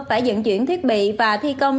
phải dựng chuyển thiết bị và thi công